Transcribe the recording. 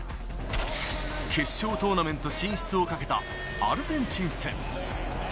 決勝トーナメント進出をかけたアルゼンチン戦。